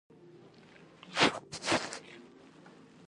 هر انسان یو ځانګړی ماموریت لري.